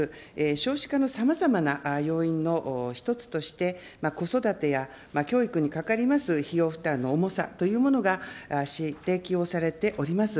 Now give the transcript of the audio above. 少子化のさまざまな要因の一つとして、子育てや教育にかかります費用負担の重さというものが指摘をされております。